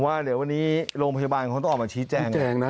ว่าเดี๋ยววันนี้โรงพยาบาลเขาต้องออกมาชี้แจงนะ